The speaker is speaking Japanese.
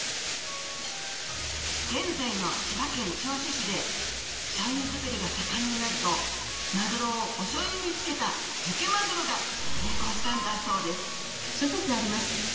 現在の千葉県銚子市でしょうゆづくりが盛んになるとマグロをおしょうゆにつけた漬けマグロが流行したんだそうです